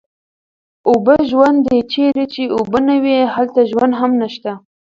اوبه ژوند دی، چېرې چې اوبه نه وي هلته ژوند هم نشته